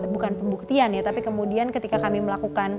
bukan pembuktian ya tapi kemudian ketika kami melakukan